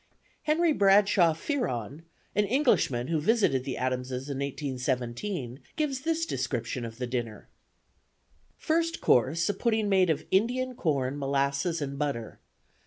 Henry Bradshaw Fearon, an Englishman who visited the Adamses in 1817, gives this description of the dinner: "1st course a pudding made of Indian corn, molasses and butter.